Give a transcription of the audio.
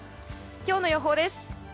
今日の予報です。